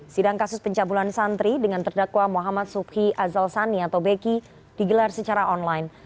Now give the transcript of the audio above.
sidang kasus pencabulan santri dengan terdakwa muhammad suki azal sani atau beki digelar secara online